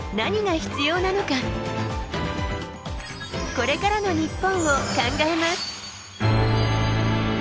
これからの日本を考えます。